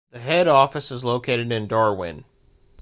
The head office is located in Darwin.